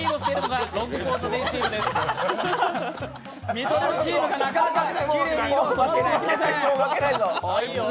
見取り図チームがなかなかきれいに色をそろえていけません。